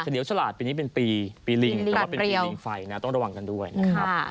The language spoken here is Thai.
เดี๋ยวฉลาดปีนี้เป็นปีปีลิงแต่ว่าเป็นปีลิงไฟนะต้องระวังกันด้วยนะครับ